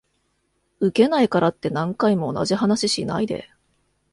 ウケないからって何回も同じ話しないで